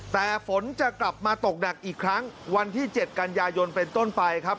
แต่ฝนจะกลับมาตกหนักอีกครั้งวันที่๗กันยายนเป็นต้นไปครับ